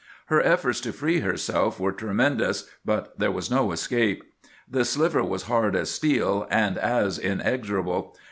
Her efforts to free herself were tremendous, but there was no escape. The sliver was hard as steel and as inexorable.